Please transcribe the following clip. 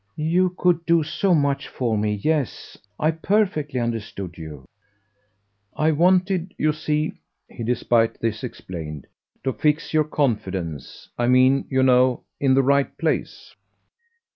"You could do so much for me, yes. I perfectly understood you." "I wanted, you see," he despite this explained, "to FIX your confidence. I mean, you know, in the right place."